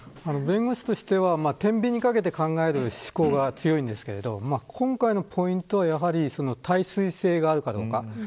弁護士としては天秤にかけて考える思考が強いんですが今回のポイントはやはり耐水性があるかどうか。